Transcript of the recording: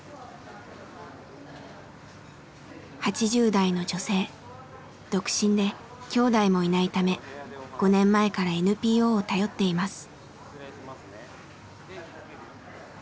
８０代の女性独身で兄弟もいないため５年前からＮＰＯを頼っています。